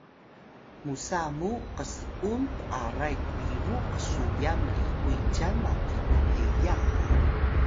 musa mu qs’un p’aray biru qsuyan mlikuy cyan maki thiyaq